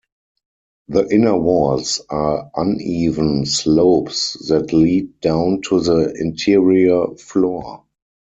The inner walls are uneven slopes that lead down to the interior floor.